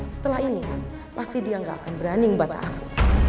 setelah ini pasti dia gak akan berani ngebata aku